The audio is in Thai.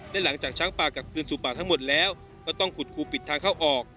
และหลังจากช้างป่ากลับคืนสู่ป่าทั้งหมดแล้วก็ต้องขุดคูปิดทางเข้าออก